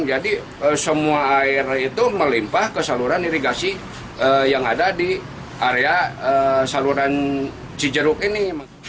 jadi semua air itu melimpah ke saluran irigasi yang ada di area saluran cijeruk ini